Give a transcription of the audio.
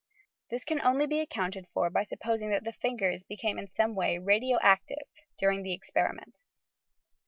This can only be accounted for by supposing that the fingers became in some way radio active during the esperiment.